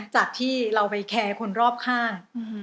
จากที่เราไปแคร์คนรอบข้าง